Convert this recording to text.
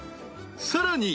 ［さらに］